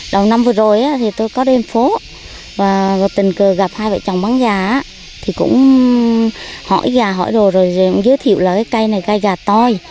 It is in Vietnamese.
đầu năm vừa rồi thì tôi có đến phố và tình cờ gặp hai vợ chồng bán gà thì cũng hỏi gà hỏi đồ rồi giới thiệu là cái cây này cây gà to